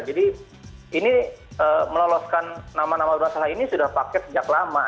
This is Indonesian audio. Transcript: jadi ini meloloskan nama nama masalah ini sudah paket sejak lama